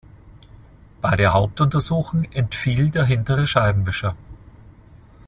Bei der Hauptuntersuchung entfiel der hintere Scheibenwischer.